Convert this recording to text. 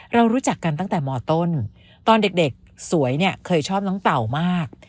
เรารู้จักกันตั้งแต่มต้นตอนเด็กสวยเนี่ยเคยชอบน้องเต่ามาก